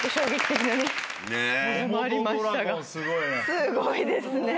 すごいですね。